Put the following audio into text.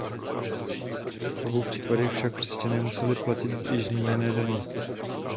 V obou případech však křesťané museli platit již zmíněné daně.